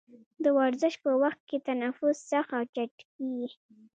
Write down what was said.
د ورزش په وخت کې تنفس سخت او چټکېږي.